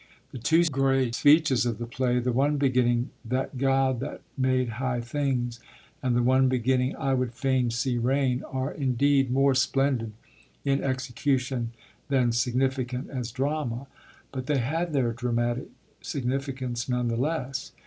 The two great speeches of the play, the one beginning 'That God that made high things,' and the one beginning 'I would fain see rain,' are indeed more splendid in execution than significant as drama, but they have their dramatic significance, none the less.